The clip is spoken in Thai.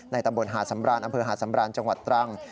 ตำบลหาดสำรานอำเภอหาดสำราญจังหวัดตรัง